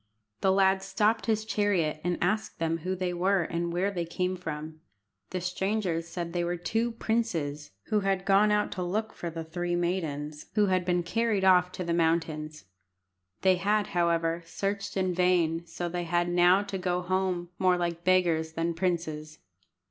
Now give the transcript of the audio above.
The lad stopped his chariot and asked them who they were and where they came from. The strangers said they were two princes who had gone out to look for the three maidens who had been carried off to the mountains. They had, however, searched in vain, so they had now to go home more like beggars than princes.